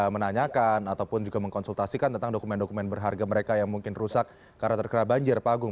menanyakan ataupun juga mengkonsultasikan tentang dokumen dokumen berharga mereka yang mungkin rusak karena terkena banjir pak agung